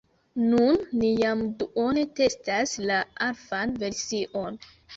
Nun, ni jam duone testas la alfan version